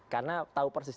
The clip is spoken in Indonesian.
karena tahu persis